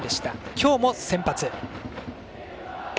今日も先発。